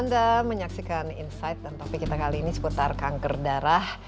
anda menyaksikan insight dan topik kita kali ini seputar kanker darah